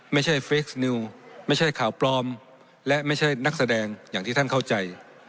เฟคนิวไม่ใช่ข่าวปลอมและไม่ใช่นักแสดงอย่างที่ท่านเข้าใจ